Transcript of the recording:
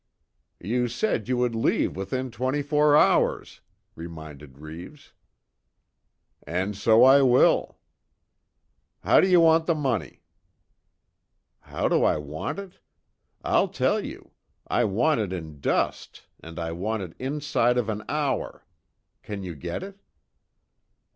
"You said you would leave within twenty four hours," reminded Reeves. "And so I will." "How do you want the money?" "How do I want it? I'll tell you. I want it in dust, and I want it inside of an hour. Can you get it?"